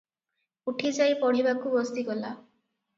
ଉଠି ଯାଇ ପଢ଼ିବାକୁ ବସିଗଲା।